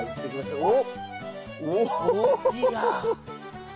おっ。